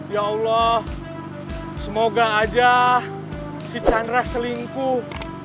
ya allah semoga aja si chandra selingkuh